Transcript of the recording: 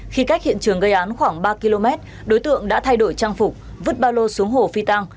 khi cách hiện trường gây án khoảng ba km đối tượng đã thay đổi trang phục vứt ba lô xuống hồ phi tăng